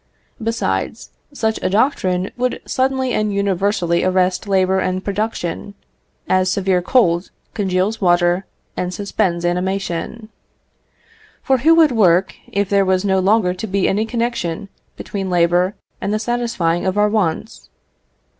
Besides, such a doctrine would suddenly and universally arrest labour and production, as severe cold congeals water and suspends animation; for who would work if there was no longer to be any connection between labour and the satisfying of our wants?